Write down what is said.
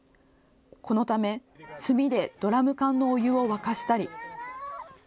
このため炭でドラム缶のお湯を沸かしたり。